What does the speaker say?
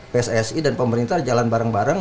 pssi dan pemerintah jalan bareng bareng